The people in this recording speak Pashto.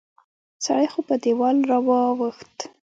سړی خو په دیوال را واوښت